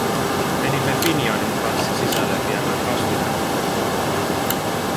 Menimme Finianin kanssa sisälle viemään kasvinäytteet turvaan.